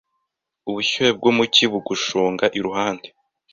ubushyuhe bwo mu cyi bugushonga iruhande